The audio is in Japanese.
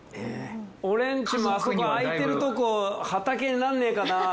俺んちもあそこ空いてるとこ畑になんねえかなぁ。